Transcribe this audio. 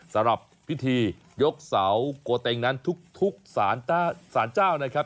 สำหรับพิธียกเสาโกเต็งนั้นทุกสารเจ้านะครับ